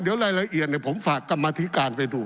เดี๋ยวรายละเอียดผมฝากกรรมธิการไปดู